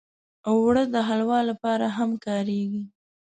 اوړه د حلوا لپاره هم کارېږي